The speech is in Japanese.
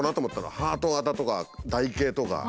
ハート型とか台形とか。